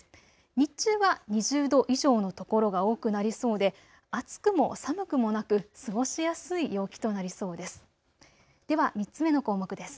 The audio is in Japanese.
日中は２０度以上の所が多くなりそうで暑くも寒くもなく過ごしやすい陽気となりそうです。